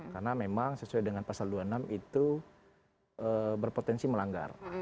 karena memang sesuai dengan pasal dua puluh enam itu berpotensi melanggar